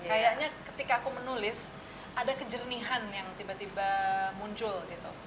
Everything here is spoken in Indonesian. kayaknya ketika aku menulis ada kejernihan yang tiba tiba muncul gitu